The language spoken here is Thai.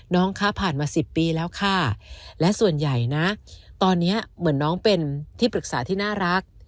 น้องคะผ่านมา๑๐ปีแล้วค่ะและส่วนใหญ่นะตอนนี้เหมือนน้องเป็นที่ปรึกษาที่น่ารัก